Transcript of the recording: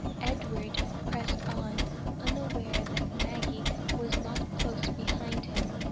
Edward pressed on, unaware that Maggie was not close behind him.